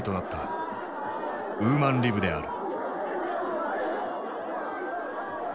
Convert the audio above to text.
ウーマンリブである。